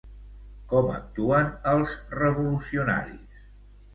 Com actuen els revolucionaris?